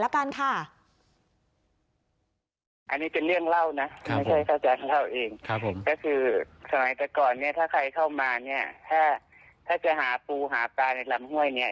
ก็คือสมัยแต่ก่อนเนี้ยถ้าใครเข้ามาเนี้ยถ้าถ้าจะหาปูหาปลาในลำห้วยเนี้ย